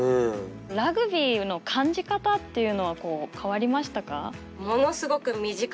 ラグビーの感じ方っていうのは変わりましたか？